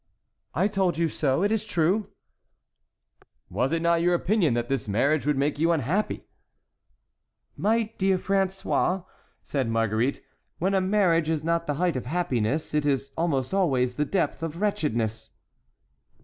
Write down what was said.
"I told you so; it is true." "Was it not your opinion that this marriage would make you unhappy?" "My dear François," said Marguerite, "when a marriage is not the height of happiness it is almost always the depth of wretchedness."